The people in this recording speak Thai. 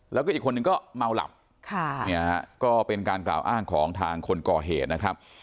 แล้วก็อีกคนนึงก็เมาหลับก็เป็นการกล่าวอ้างของทางคนก่อเหตุนะครับ